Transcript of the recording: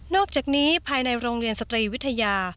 อกจากนี้ภายในโรงเรียนสตรีวิทยา